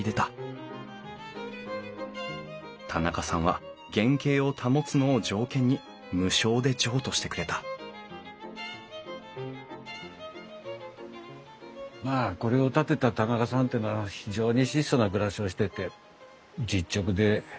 田仲さんは原形を保つのを条件に無償で譲渡してくれたまあこれを建てた田仲さんっていうのは非常に質素な暮らしをしてて実直でまあ家族思い。